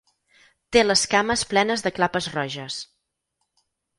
Té les cames plenes de clapes roges.